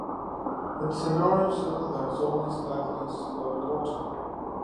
It is an orange solid that is only slightly soluble in water.